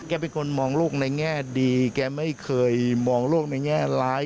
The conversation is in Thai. เป็นคนมองลูกในแง่ดีแกไม่เคยมองโลกในแง่ร้าย